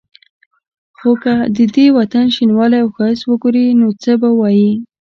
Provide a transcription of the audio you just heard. خو که د دې وطن شینوالی او ښایست وګوري نو څه به وايي.